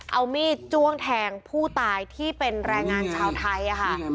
เอามีดจ้วงแทงผู้ตายที่เป็นแรงงานชาวไทยค่ะ